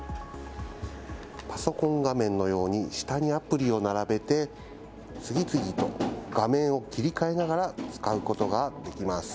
パソコン画面のように下にアプリを並べて、次々と画面を切り替えながら使うことができます。